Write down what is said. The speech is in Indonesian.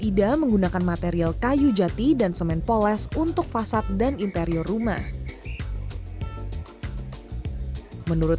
ida menggunakan material kayu jati dan semen poles untuk fasad dan interior rumah menurut